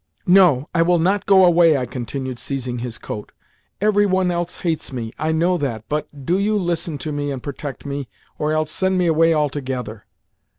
"No, I will not go away!" I continued, seizing his coat. "Every one else hates me—I know that, but do you listen to me and protect me, or else send me away altogether.